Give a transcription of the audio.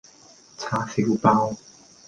叉燒包